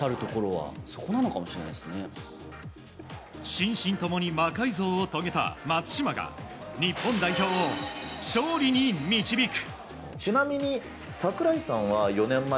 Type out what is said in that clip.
心身ともに魔改造を遂げた松島が日本代表を勝利に導く。